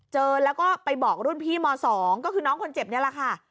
เจอแล้วก็ไปบอกรุ่นพี่ม๒ก็คือน้องคนเจ็บนี่แหละค่ะ